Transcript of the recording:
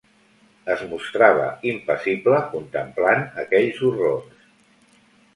Es mostrava impassible contemplant aquells horrors.